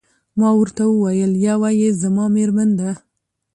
ما ورته وویل: یوه يې زما میرمن ده.